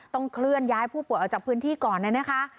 เคลื่อนย้ายผู้ป่วยออกจากพื้นที่ก่อนเลยนะคะ